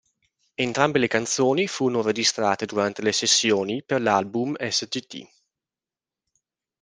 Entrambe le canzoni, furono registrate durante le sessioni per l'album Sgt.